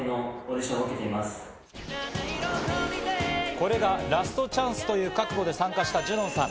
これがラストチャンスという覚悟で参加したジュノンさん。